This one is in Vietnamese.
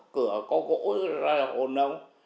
cửa có gỗ rồi là hồn ông